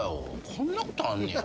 こんなことあんねや。